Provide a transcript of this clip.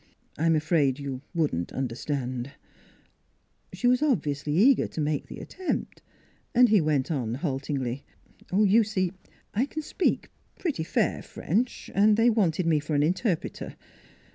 " I I'm afraid you wouldn't understand " She was obviously eager to make the attempt, and he went on haltingly: " You see I can speak pretty fair French, and 1 64 NEIGHBORS they wanted me for an interpreter.